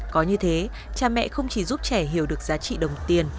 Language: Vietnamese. có như thế cha mẹ không chỉ giúp trẻ hiểu được giá trị đồng tiền